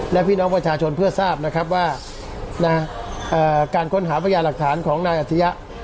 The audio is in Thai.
และพี่น้องประชาชนเพื่อทราบนะครับว่าการค้นหาพยาหลักฐานของนายอัธยะ